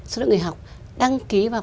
số lượng người học đăng ký vào